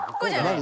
何？